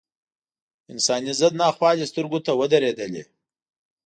انساني ضد ناخوالې سترګو ته ودرېدلې.